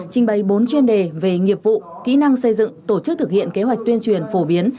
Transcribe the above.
trình bày bốn chuyên đề về nghiệp vụ kỹ năng xây dựng tổ chức thực hiện kế hoạch tuyên truyền phổ biến